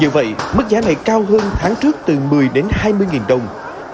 như vậy mức giá này cao hơn tháng trước từ một mươi hai mươi đồng